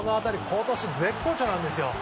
今年、絶好調なんですよ。